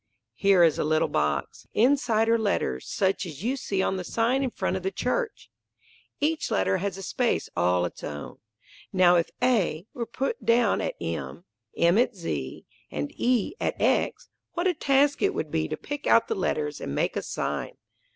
Here is a little box. Inside are letters, such as you see on the sign in front of the Church. Each letter has a space all its own. Now if A were put down at M, M at Z, and E at X, what a task it would be to pick out the letters and make a sign!